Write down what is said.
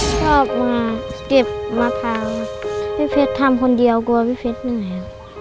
ชอบมาเก็บมะพร้าวพี่เพชรทำคนเดียวกลัวพี่เพชรเหนื่อยครับ